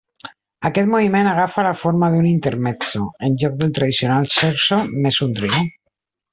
Aquest moviment agafa la forma d'un intermezzo, en lloc del tradicional scherzo més un trio.